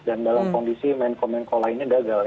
dan dalam kondisi menko menko lainnya gagal ya